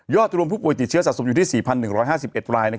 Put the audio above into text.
ยอดทรวมผู้ติดเชื้อสะสมอยู่ที่๔๑๕๑ราย